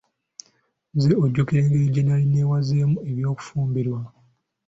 Nze ojjukira engeri gye nnali neewazeemu eby'okufumbirwa.